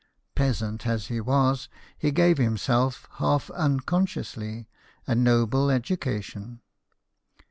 Peasant as he was, he gave himself, half unconsciously, a noble education.